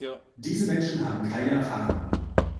Diese Menschen haben keine Erfahrung.